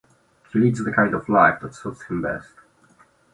He leads the kind of life that suits him best.